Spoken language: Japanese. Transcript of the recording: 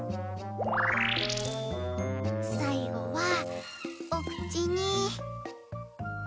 さいごはおくちに。